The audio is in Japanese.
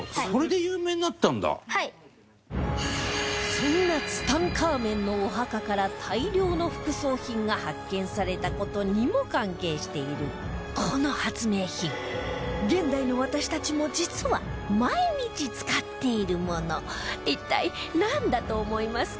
そんなツタンカーメンのお墓から大量の副葬品が発見された事にも関係している、この発明品現代の私たちも実は、毎日使っているもの一体、なんだと思いますか？